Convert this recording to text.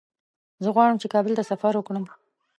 زه غواړم چې کابل ته سفر وکړم.